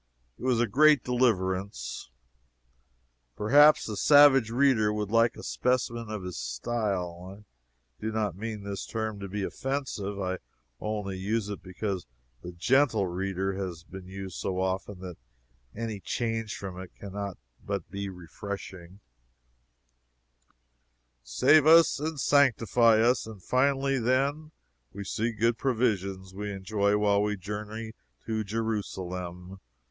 It was a great deliverance. Perhaps the savage reader would like a specimen of his style. I do not mean this term to be offensive. I only use it because "the gentle reader" has been used so often that any change from it can not but be refreshing: "Save us and sanctify us, and finally, then, See good provisions we enjoy while we journey to Jerusalem.